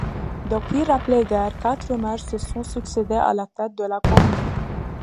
Depuis l'après-guerre, quatre maires se sont succédé à la tête de la commune.